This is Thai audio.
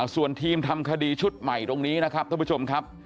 ส่วนทีมทำคดีชุดใหม่ตรงนี้นะครับท่านผู้ชมครับ